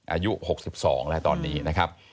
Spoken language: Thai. อายุ๖๒แล้วตอนนี้นะครับ